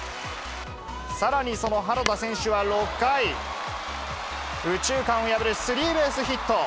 さらにその原田選手は６回、右中間を破るスリーベースヒット。